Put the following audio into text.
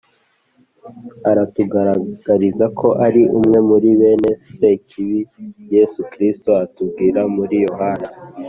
aratugaragariza ko ari umwe muri bene Sekibi Yezu Kristu atubwira muri Yohani